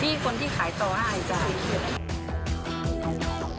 ที่คนที่ขายต่ออายจาก